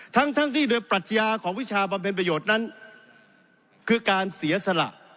ทั้งทั้งที่โดยปรัชญาของวิชาบำเพ็ญประโยชน์นั้นคือการเสียสละ